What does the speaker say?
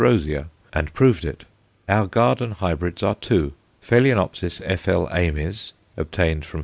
rosea_, and proved it. Our garden hybrids are two: Ph. F.L. Ames, obtained from _Ph.